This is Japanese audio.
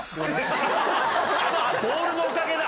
ボールのおかげだ。